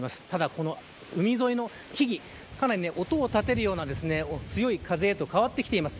ただ海沿いの木々かなり音を立てるような強い風へと変わってきています。